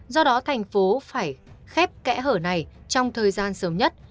do đó tp hcm phải khép kẽ hở này trong thời gian sớm nhất